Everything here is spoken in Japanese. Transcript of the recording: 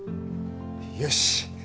よし！